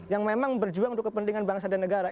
yang memang berjuang untuk kepentingan bangsa dan negara